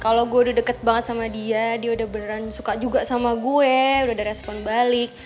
kalau gue udah deket banget sama dia dia udah beneran suka juga sama gue udah ada respon balik